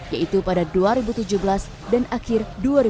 yaitu pada dua ribu tujuh belas dan akhir dua ribu delapan belas